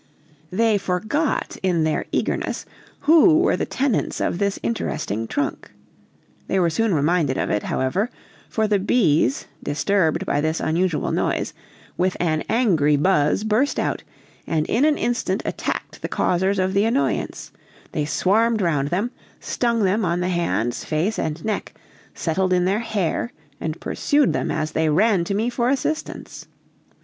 They forgot, in their eagerness, who were the tenants of this interesting trunk. They were soon reminded of it, however, for the bees, disturbed by this unusual noise, with an angry buzz burst out, and in an instant attacked the causers of the annoyance; they swarmed round them, stung them on the hands, face, and neck, settled in their hair, and pursued them as they ran to me for assistance.